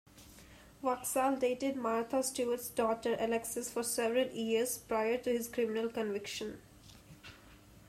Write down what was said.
Waksal dated Martha Stewart's daughter, Alexis, for several years prior to his criminal conviction.